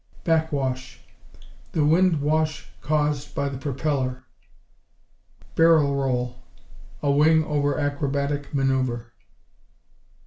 Backwash The wind wash caused by the propeller. Barrel roll A wing over acrobatic manoeuvre.